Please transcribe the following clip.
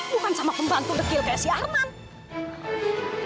bukan sama pembantu dekil kayak si arman